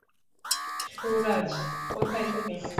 সুরাজ, কোথায় তুমি?